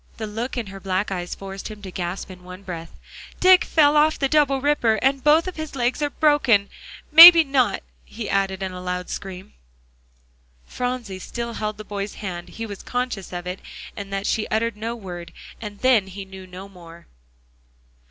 The look in her black eyes forced him to gasp in one breath, "Dick fell off the double ripper, and both of his legs are broken may be not," he added in a loud scream. Phronsie still held the boy's hand. He was conscious of it, and that she uttered no word, and then he knew no more.